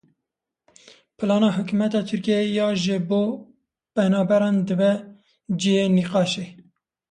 Plana hikûmeta Tirkiyeyê ya ji bo penaberan dibe cihê nîqaşê.